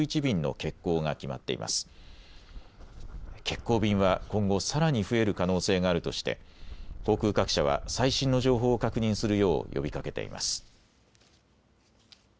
欠航便は今後さらに増える可能性があるとして航空各社は最新の情報を確認するよう呼びかけています。